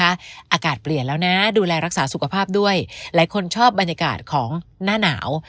อากาศเปลี่ยนแล้วนะดูแลรักษาสุขภาพด้วยหลายคนชอบบรรยากาศของหน้าหนาว